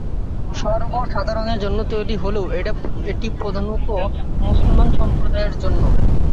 সর্ব সাধারণের জন্য তৈরি হলেও এটি প্রধানত মুসলমান সম্প্রদায়ের জন্য।